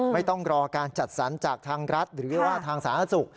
ไม่ต้องรอการจัดสรรจากทางรัฐหรือว่าทางสาธารณสุข